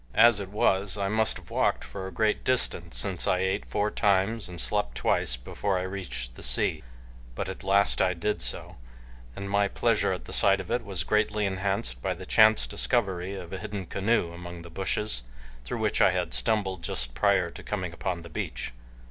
As it was I must have walked for a great distance since I ate four times and slept twice before I reached the sea, but at last I did so, and my pleasure at the sight of it was greatly enhanced by the chance discovery of a hidden canoe among the bushes through which I had stumbled just prior to coming upon the beach.